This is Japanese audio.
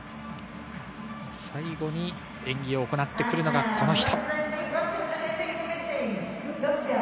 最後に演技を行うのがこの人。